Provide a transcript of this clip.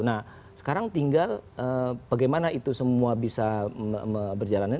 nah sekarang tinggal bagaimana itu semua bisa berjalannya